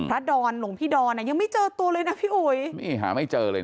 ดอนหลวงพี่ดอนอ่ะยังไม่เจอตัวเลยนะพี่อุ๋ยนี่หาไม่เจอเลยนะ